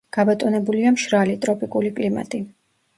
გაბატონებულია მშრალი, ტროპიკული კლიმატი.